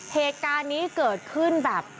เหตุการณ์นี้เกิดขึ้นแบบ